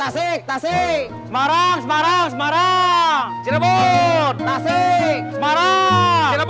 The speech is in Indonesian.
tasik tasik tasik